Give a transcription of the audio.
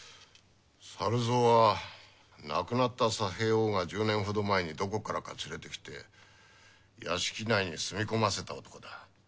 猿蔵は亡くなった佐兵衛翁が１０年ほど前にどこからか連れてきて屋敷内に住み込ませた男だ。